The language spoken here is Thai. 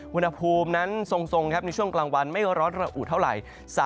อุณหภูมินั้นทรงในช่วงกลางวันไม่ร้อนระอุเท่าไหร่